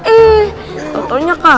eh ternyata kalah